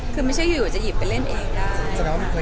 คือไม่ใช่อยู่จะหยิบไปเล่นเองได้